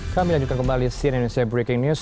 kami lagi kembali di siena indonesia breaking news